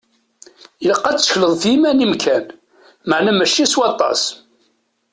Ilaq ad tettekleḍ f yiman-im kan, meɛna mačči s waṭas.